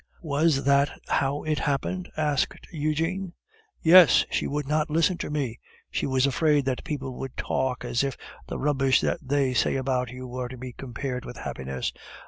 "Was that how it happened?" asked Eugene. "Yes. She would not listen to me. She was afraid that people would talk, as if the rubbish that they say about you were to be compared with happiness!